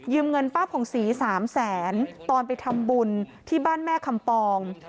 เงินป้าผ่องศรี๓แสนตอนไปทำบุญที่บ้านแม่คำปอง